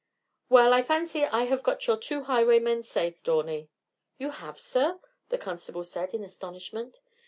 "Well, I fancy I have got your two highwaymen safe, Dawney." "You have, sir?" the constable said in astonishment.